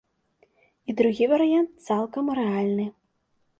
І другі варыянт цалкам рэальны.